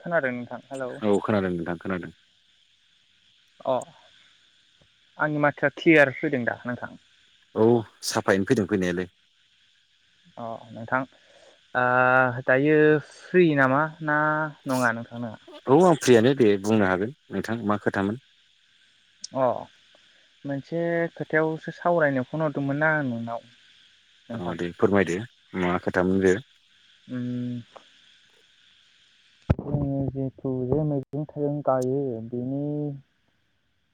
खोनादो नोंथां। हेलौ औ खोनादों नोंथां खोनादों। अ आंनि माथोआ क्लियार फैदों दा नोंथां? औ साफायैनो फैदों फैनायालाय। अ नोंथां ओ दायो फ्रि नामा? ना नङा नोंथांना? औ आं फ्रियानो दे बुंनो हागोन नोंथां मा खोथामोन? अ मोनसे खोथायावसो सावरायनो फन हरदोमोन ना आं नोंनाव औ नोंथां दे फोरमायदो मा खोथामोन बेयो? उम जोङो जिथु जे मैगं थाइगं गायो बेनि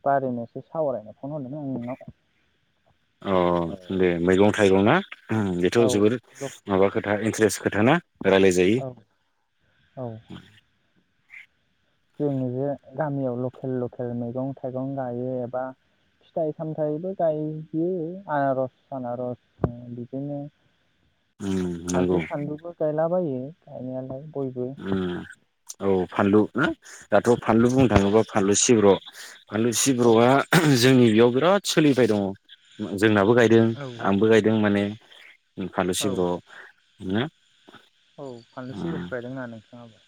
बारैनोसो सावरायनो फन हरदोंमोन आं नोंनाव। अ दे मैगं थाइगं ना? ओम बेथ' औ जोबोर माबा खोथा इनट्रेस खो था ना? रायलायजायो। औ औ जोङो जे गामियाव लखेल लखेल मैगं थाइगं गायो बा फिथाइ सामथायबो गाययो आनारस सानारस बिदिनो उम फानलु नंगौ सानलुबो गायला बायो। गायनायालाय बयबो उ औ फानलु [unintelligible] दाथ फानलु बुंनो थाङोबा फानलु सिब्र फान्लु औ सिब्रआ जोंनि बेयावबो राद सोलिबाय दंङ जोंनाबो गायदों औ आंबो गायदों माने उ फालु औ सिब्र ना? औ फानलै सिब्रखौ गायदों। [unintelligible] [unintelligible]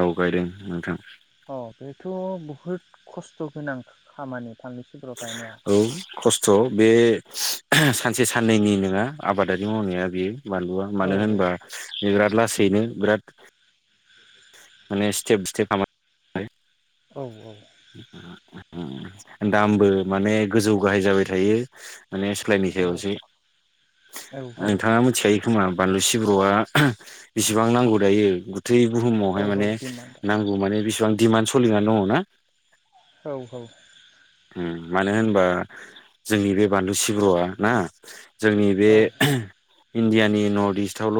औ गायदों नोंथां। अ बेथ बुहुद खस्थ गोनां खामानि। फानलु सिब्र गायनाया औ खस्थ बे सानसे साननैनि नोङा। आबादारि मावनाया बेयो। बानलुआ औ मानो होनबा बि बिराद। लासैनो बिराद। माने सटेप स्टेप खा। औ औ। दामबो माने गोजौ गाहाय जाबाय थायो। माने सोलायनि सायावसै औ नोंथाङा मिनथिखायो खोमा बानलु। सिब्र आ। बिसिबां नांगौ दायो गथै औ बुहुमावहाय औ माने दिमान्डआ नांगौ माने बिसिबां दिमान [unintelligible] दङ ना। औ औ। मानो होनबा जोंनि बे बानलु सिब्रआ ना। जोंनि बे। औ औ इण्डियानि नर्थ इस्टआवल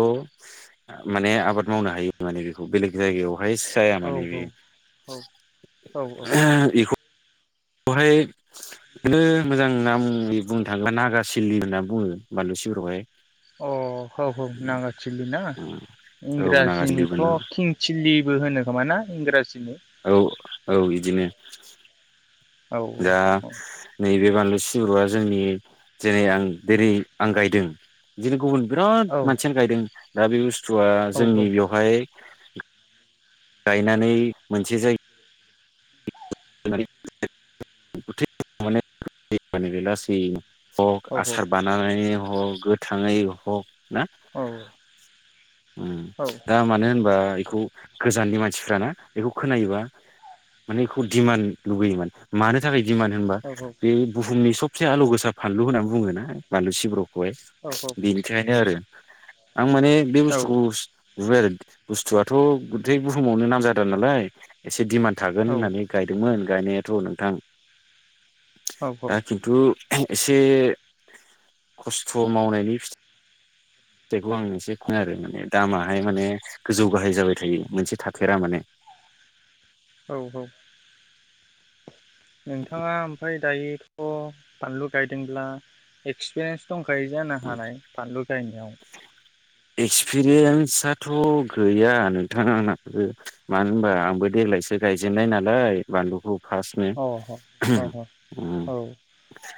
माने आबाद मावनो हायो माने बेखौ बेलेग जायगायाव बेहाय जाया औ माने बेयो औ अ [unintelligible] बेवहाय बेनो मोजां नामै बुंनो थाङोब्ला नागासिललि होनना बुङो बानलु सिब्रखौहाय। अ ह औ नागारथिलि ना औ नागा सिलिबो इंराजिनिथ होनो किंथिलि। होनो खोमा ना इंराजि। औ औ बिदिनो। औ जा औ नै बे बानलु सिब्रआ जोंनि जेरै आं दिनै आं गायदों बिदिनो गुबुन बिराद औ मानसियानो गायदों दा बे बुस्थुआ औ जोंनि बेवहाय गायनानै मोनसे जायगा [unintelligible] हग आसार बानायनानै हग थाङै हग ना औ ओम औ दा मानो होनबा बेखौ गोजाननि मानसिफाना बेखौ खोनायोबा माने दिमान लुबैयोमोन मानो थाखाय दिमान होनबा औ बे बुहुमनि सब एसे आलु गोसा फानलु होननानै बुङोना बानलु सिब्रखौ [unintelligible] बिनिखायनो आरो आं माने बे बुस्थुखौ जुबेल बुस्थुआथ गुथै बुहुमावनो नामजादा नालाय एसे दिमान्ड थागोन होननानै दोंमोन गायनायाथ' नोंथां। औ औ दा खिन्थु एसे खस्थ' मावनायनि फिथाइ जायखौ आं एसे खनो आरो माने दामाहाय माने गोजौ गाहाय जाबाय थायो मोनसे थाखेरा माने। औ औ। नोंथाङा ओमफाय दायोथ' बानलु गायदोंब्ला एक्सपिरियेन्स दंखायो जानो हानाय बानलु गायनायाव। थ' गैया नोंथां आंनाबो मानो होनबा आंबो देग्लायसो गायजेननाय नालाय बानलुखौ। फार्स्टनो अ अ अ अ उम औ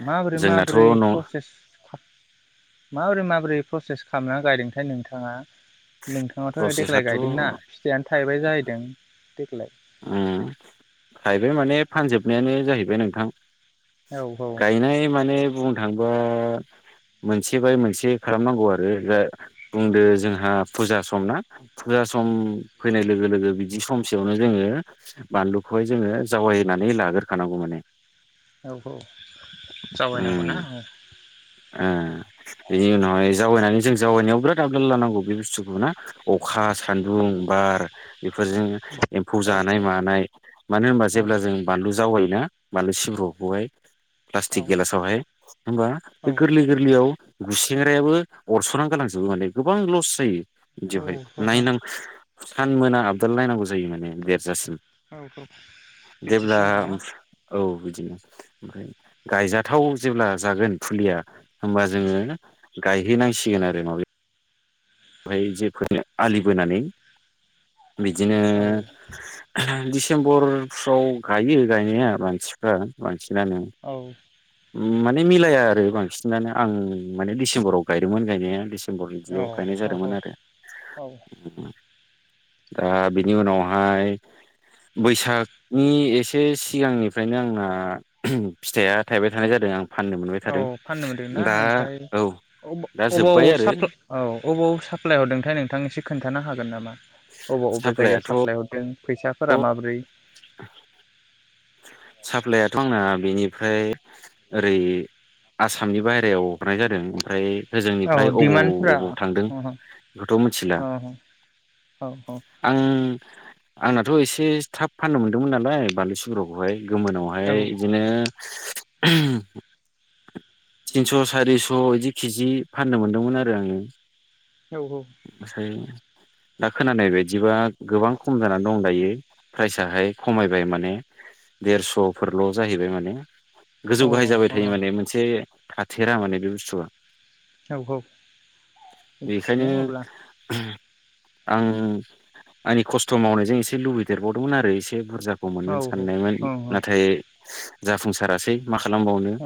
माबोरै जोंनाथ' माबोरै न' प्रसेस माबोरै माबोरै प्रसेस खालामना गायदोंथाय नोंथाङा? नोंथाङाथ' देग्लाय प्रसेसआथ' गायदोंना फिथाइयानो थाहैबाय जाहैदों। देग्लाय उम खायबाय माने फानजोब नायानो जाहैबाय नोंथां। औ गायनाय माने बुं थांबा मोनसे बाय मोनसे खालामनांगौ आरो बुंदो जोंहा फुजा सम ना फुजा सम फैनाय लोगो लोगो बिदि समसेयावनो जोङो बानलुखौहाय जोङो जावायनानै लागोरखानांगौ माने। औ औ। जावैनांगौना उम औ ओ बेनि उनावहाय जावैनानै जों जावनायाव बिराद आबदाल लानांगौ बि बुस्थुखौना अखा सान्दुं बार बेफोरजों एम्फौ औ जानाय मानाय मानो होनबा औ जेब्ला जों बानलु जावायोना मानो सिब्रुखौहाय फ्ला टिक गिलासावहाय होमबा औ बे गोरलै गोरलैयाव गुसिं ग्रायाबो अरस'ना गालांजोबो माने गोबां लस जायो। बिदियावहाय औ नायनां सानमोना आबदाल नायनांगौ जायो माने बेरजासिम। औ बिदिसो होमबा ना। दिनो ओमफ्राय गायजाथाव जेब्ला जागोन फुलिया होमबा जोङो गायहैनांसिगोन आरो माबायाव बेहाय जेफोरनो आलि बोनानै। बिदिनो औ दिडिसेम्बरफ्राव गायो गायनाया मानसिफ्रा मानसि औ [unintelligible] माने मिलाया आरो बांसि [unintelligible] आं माने दिसेम्बराव गायदोंमोन गायनाया। दिसेम्बर औ बिदियाव। गायनाय औ जादोंमोन आरो औ उम। दा बिनि उनावहाय बैसागनि एसे एसे सिगांनिफ्रायनो आंना फिथाइया थाइबाय थानाय जादों आं फाननो मोनबाय औ थादों फाननो मोनदोंना दा ओमफ्राय औ दा अबाव जोब्बाय आरो। साप्ला औ अबाव साप्लाय हरदोंथाय नोंथां एसे खोन्थानो हागोन नामा? अबाव अबे जायगायाव साप्लायाथ' साप्लाय हरदों? फैसाफोरा माबोरै? [inaudible] साप्लायाथ' आंना बेनिफ्राय ओरै आसामनि बाहेरायाव हरनाय जादों ओमफ्राय औ होजोंनिफ्राय अबाव डिमान्डफोरा अबाव थांदों अ बेखौथ' मिनथिला औ औ औ आं आंनाथ' एसे थाब फाननो मोन्दोंमोन नालाय बानलु [unintelligible] गोमोनावहाय बिदिनो [inaudible] तिनस' सारिस' इदि केजि फाननो मोनदोंमोन आरो आङो। औ साय दा खोनानाय बायदिबा गोबां खम जानानै दं दायो प्राइसाहाय खमायबाय माने देरस'फोरल' जाहैबाय माने औ गोजौ गाहाय जाबाय औ थायो माने मोनसे थाथेरा माने बे बुस्थुआ। औ औ बेखायनो मिथिया अब्ला आं आंनि खस्थ' मावनायजों एसे लुबैदेरबावदोंमोन आरो एसे एसे बुरजाखौ औ मोनगोन साननायमोन औ नाथाय जाफुंसारासै। मा खालामबावनो। औ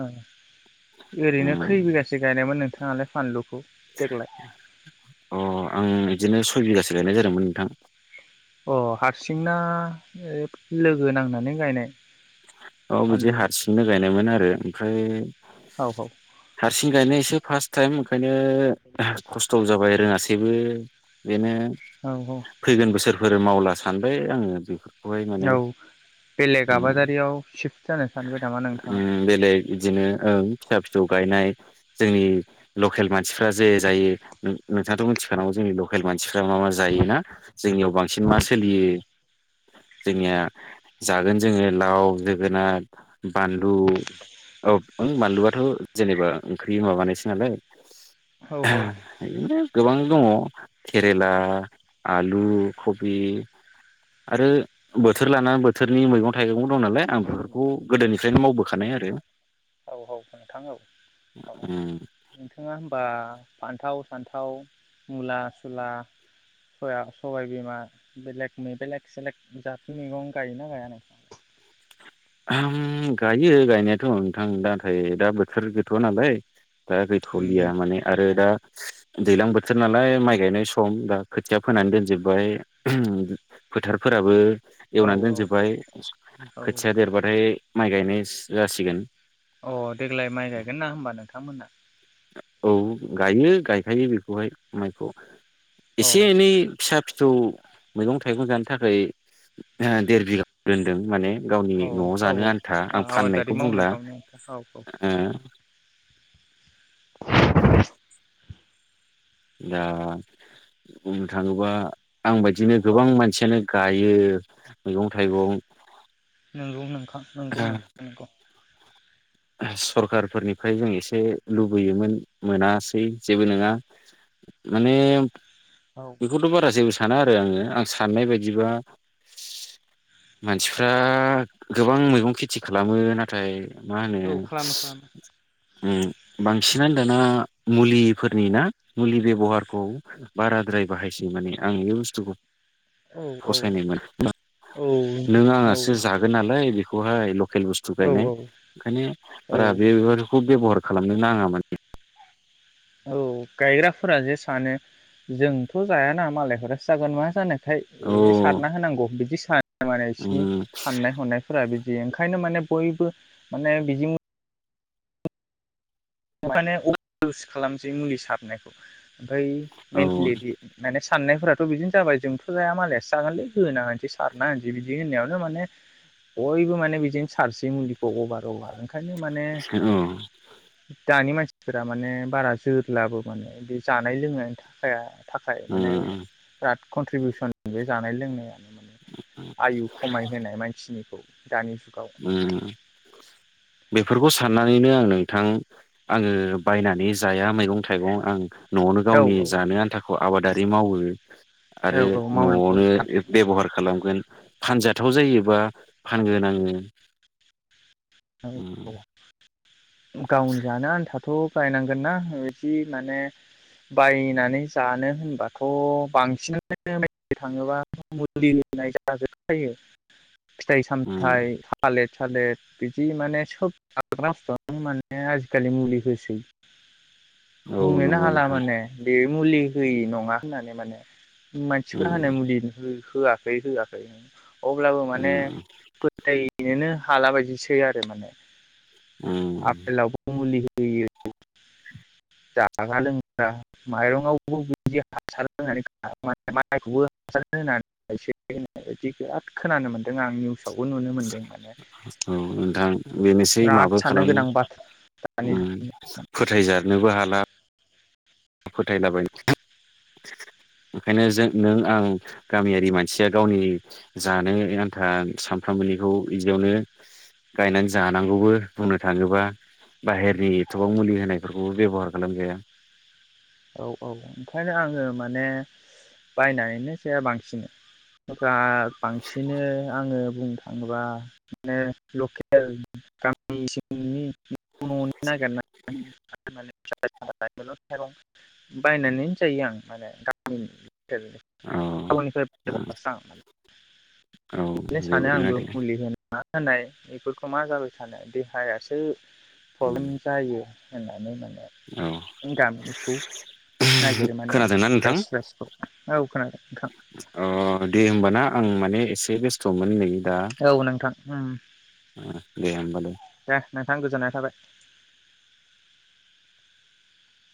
ओरैनो खै उम बिगासो गायनायमोन नोंथाङालाय फानलुखौ देग्लाय? अ आं बिदिनो सय बिगासो गायनाय जादोंमोन नोंथां। अ हारसिंना ओ लोगो नांनानै गायनाय? औ बिदि फानलु हारसिंनो गायनायमोन आरो ओमफ्राय औ हारसिं गायनायसो फार्स्ट टाइम। ओंखायनो खस्थ जाबाय रोङासै। बेबो बेनो। औ फैगोन बोसोरफोर मावला। सानबाय आङो बेखौ। औ बेलेग आबादारियाव सिफ ओम बेलेग बिदिनो ओं फिसा- फिसौ। गायनाय जोंनि लकेल मानसिफ्रा जे जायो। नोंथाङाथ मिथिखानांगौ जोंनि लकेल मानसिफ्रा मा मा जायो ना जोंनियाव बांसिन मा सोलियो। जोंनिया जागोन जोङो लाव जोगोनार। [inaudible] बानलु औ बानलुआथ जेनेबा ओंख्रि बि मााबानायसो नालाय। औ [unintelligible] गोबां दङ केरेला आलु खबि आरो बोथोर लानानै बोथोरनि मैगं- थाइगं दं नालाय आं बेफोर औ औ नोंथां औ औ उम नोंथाङा होनबा फान्थाव फान्थाव मुला सुला सया सबायबिमा बेलेग बेलेग सेलेग जााथ मैगं गायोना गाया नों? ओम गायो गायनायाथ नोंथां नाथाय दा बोथोर गैथ'आ नालाय। दा उम गैथलिया उम माने आरो दा दैज्लां बोथोर नालाय माइ गायनाय सम दा खोथिया फोनानै दोनजोबबाय फोथारफोराबो। औ एवनानै दोनजोबबाय औ खो देरबाथाय माइ गायनाय जासिगोन। अ देग्लाय माइ गायगोन ना होमबा नोंथांमोना? औ गायो गायखायो बेखौहाय माइखौ। अ एसे एनै फिसा फि सौ मैगं -थाइगं जानो थाखाय ओ देर बिगा दोनदों माने। गावनि औ न'आव औ जानो आन्था आं आबादारि फाननायखौ मावनो बुंला गावनो औ औ हो दा बुंनो थांङोबा आं बायदिनो गोबां मानसियानो गायो। मैगं थाइगं नोंगौ नोंथां नोंगौ नोंथां नोंगौ सरखारार फोरनिफ्राय जों एसे लुबैयोमोन मोनासै जेबो नंङा माने औ बेखौथ' बारा जेबो साना आरो आंङो आं साननाय बायदिबा मानसिफ्रा गोबां मैगं खेथि खालामो नाथाय मा होनो औ खालामो खालामो उम बांसिनानो दाना मुलिफोरनि ना मुलि बेब'हारखौ बाराद्राय बाहायसै माने आं बे बुस्थुखौ औ औ फसायनायमोन औ [unintelligible] नों आंआसो जागोन नालाय बेख गहाय लखेल बुस्थु औ गायनाय ओंखायनो औ बारा बेबारखौ बेब'हार खालामनो नाङा माने औ गायग्राफोरा जे सानो जोंथ' जायाना मालायफोरासो जागोन मा जानो ओमथाय औ ए सारना होनांगौ बिदि माने बिसिनि उम साननाय हनायफोरा बिद जे ओंखायनो माने बयबो माने बिजों ओंखायनो इउस खालामसै मुलि सारनायखौ ओमफ्राय औ मेन्टेलेटि माने साननायफोराथ' बिदिनो जाबाय जोंथ' जाया मालायासो जागोनलै होना होनसै सारना होनसै बिदि होननायाव माने बयबो माने बिदिनो सारसे मुलिखौ अभार अभार ओंखायनो माने औ दानि मानसिफोरा माने बारा जोरलाबो माने बे जानाय लोंनायनि थाखाय थाखाय माने उम बिराद‌ कन्ट्रिबिउसन बे जानाय लोंनाया आयु खमाय होनाय मानसिनिखौ दानि जुगाव उम बेफोरखौ साननानैनो आं नों थां आंङो बायनानै जाया मैगं थाइगं आं न'आवनो औ गावनि औ जानो आन्थाखौ आबादारि दै‌ मावो औ आरो औ मावनांगौ न'आवनो नोंथां बेब'हार खालामगोन फानजाद थाव जायोबा फानगोन आङो [inaudible] उम औ गावनि जानो आन्थाब थ' बायनांगोनना बिदि माने बायनानै जानो होनबाथ' बांसिनानो [unintelligible] थाङोब्ला मुलि होनाय जाजोब जायो फिथाइ उम सामथाइ थालेर थालेर बिदि माने सोब [unintelligible] माने आजिखालि मुलि होसै औ बुंनोनो नंगौ हाला नोंथां माने बे मुलि होयि नङा होननानै माने मानसिफोर हानो उम मुलि हो होआखै होआखै अब्लाबो माने उम फोथायनोनो हाला बायदिसो खै आरो माने उम आफेलावबो मुलि हो होयो जाग्रा लोंग्रा माइरंआवबो बिदि हासार होनानै माइखौबो हासार होनानैसै गायसै होन्नाय बायदि बिराद खोनानो मोन्दों आं निउ सावबो नुनो मोनदों माने औ नोंथां बेनोसै बिराद माबो साननो खालामो गोनां बाथ्रा दानि फोथायजानोबो हाला फोथायलाबायनो ओंखायनो जों नों आं गामियारि मानसिया गावनि जानो आन्था सामफ्रामबोनिखौ बिदियावनो गायनानै जानांगौबो बुंनो थाङोबा बाहेरनि एथबां मुलि होनायफोरखौबो बेब'हार खालामजाया औ औ ओंखायनो आङो माने बायनानैनो जाया बांसिन [unintelligible] दा बांसिनो आङो बुंनो थाङोबा माने लकेल गामि सिंनि न' न'नि नागिरनानै [unintelligible] बायनानैनो जायो आं माने गामिनि औ [unintelligible] औ बिदिनो जेबो सानो नङा आंबो दे मुलि होनाङा होनाय बेफोरखौ मा जाबाय थानो देहायासो फ्रब्लेम जायो होननानै माने औ खौ नागिरो माने आं खोनादोंना नोंथां फ्रेस फ्रेसखौ औ खोनादों नोंथां बे बेस्थ' मोन नै दा औ नोंथां उम दे होमबालाय दे नोंथां गोजोननाय थाबाय।